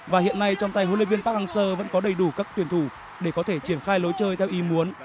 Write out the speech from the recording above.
và hiện nay trong tay huấn luyện viên park hang seo vẫn có đầy đủ các tuyển thủ để có thể triển khai lối chơi theo ý muốn